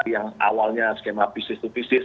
yang awalnya skema bisnis to bisnis